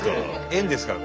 縁ですから。